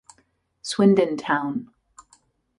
Swindon Town